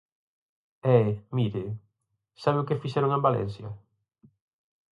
E, mire, ¿sabe o que fixeron en Valencia?